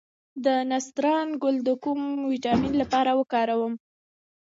د نسترن ګل د کوم ویټامین لپاره وکاروم؟